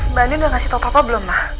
mbak nin udah ngasih tau papa belum ma